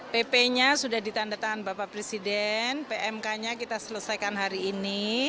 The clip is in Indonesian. pp nya sudah ditandatangan bapak presiden pmk nya kita selesaikan hari ini